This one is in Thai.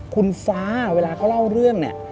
คุณฟ้าเวลาเขาเล่าเรื่อง